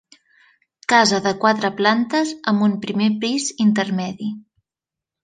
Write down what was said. Casa de quatre plantes amb un primer pis intermedi.